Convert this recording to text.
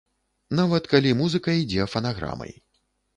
Нават калі музыка ідзе фанаграмай.